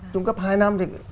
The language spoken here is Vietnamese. trung cấp hai năm